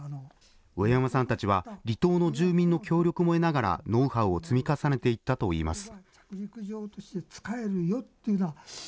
植山さんたちは離島の住民の協力も得ながら、ノウハウを積み重ねていったといいます。